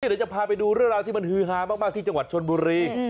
เดี๋ยวจะพาไปดูเรื่องราวที่มันฮือฮามากที่จังหวัดชนบุรี